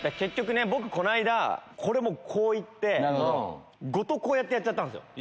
僕この間これもこう行ってごとこうやってやっちゃったんすよ。